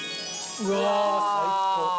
うわ最高！